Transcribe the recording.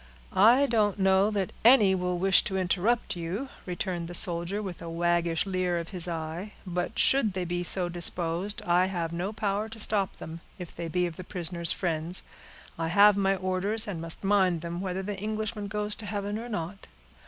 "I don't know that any will wish to interrupt you," returned the soldier, with a waggish leer of his eye; "but, should they be so disposed, I have no power to stop them, if they be of the prisoner's friends. I have my orders, and must mind them, whether the Englishman goes to heaven, or not."